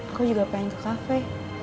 aku juga pengen ke kafe